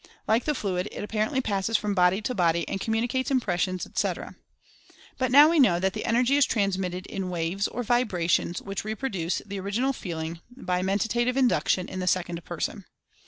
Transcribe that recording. Like the "fluid" it ap parently passes from body to body and communicates impressions, etc. But we now know that the Energy is transmitted in waves or vibrations which reproduce the original feeling by Mentative Induction in the sec ond person.